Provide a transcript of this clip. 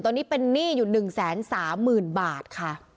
ตัวนี้เป็นหนี้อยู่หนึ่งแสนสามหมื่นบาทค่ะ